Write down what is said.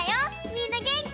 みんなげんき？